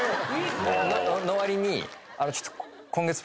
のわりにちょっと。